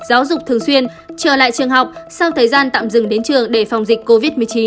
giáo dục thường xuyên trở lại trường học sau thời gian tạm dừng đến trường để phòng dịch covid một mươi chín